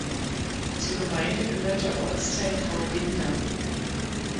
Zur Gemeinde gehört der Ortsteil Haubinda.